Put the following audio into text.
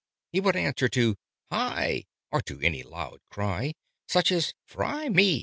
He would answer to "Hi!" or to any loud cry, Such as "Fry me!"